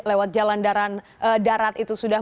lewat jalan darat itu sudah